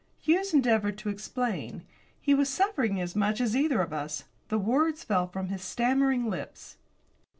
Hughes endeavoured to explain. He was suffering as much as either of us. The words fell from his stammering lips.